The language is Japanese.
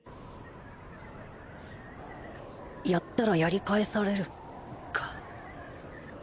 やったらやり返されるか。